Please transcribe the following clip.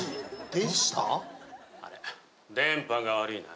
電波が悪いな。